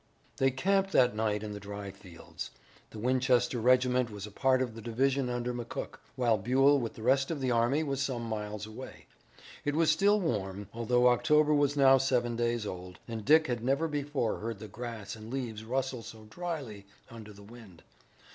They camped that night in the dry fields. The Winchester regiment was a part of the division under McCook, while Buell with the rest of the army was some miles away. It was still warm, although October was now seven days old, and Dick had never before heard the grass and leaves rustle so dryly under the wind.